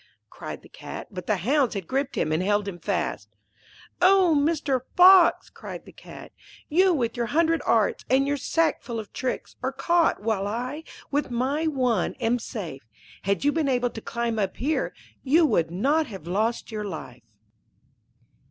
cried the Cat; but the hounds had gripped him, and held him fast. 'O Mr. Fox!' cried the Cat, 'you with your hundred arts, and your sack full of tricks, are caught, while I, with my one, am safe. Had you been able to climb up here, you would not have lost your life.'